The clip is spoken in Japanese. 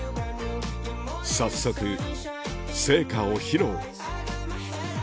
早速成果を披露